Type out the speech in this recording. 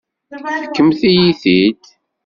Fkemt-iyi-t-id.